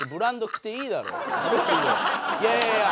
「いやいやいや！」。